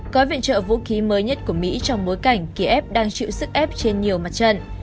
gói viện trợ vũ khí mới nhất của mỹ trong bối cảnh kiev đang chịu sức ép trên nhiều mặt trận